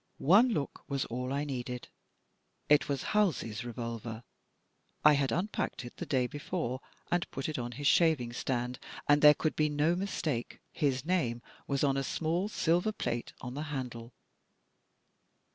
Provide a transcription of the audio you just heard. One look was all I needed. It was Halsey's revolver! I had impacked it the day bef ore and put it on his shaving stand, and there could be no mistake. His name was on a small silver plate on the handle.